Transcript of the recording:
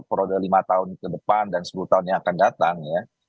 periode lima tahun ke depan dan sepuluh tahun yang akan datang ya